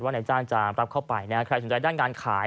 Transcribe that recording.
ว่าในด้านจำตับเข้าไปนะใครสนใจด้านการขาย